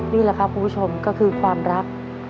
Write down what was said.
นี่แหละครับคุณผู้ชมก็คือความรัก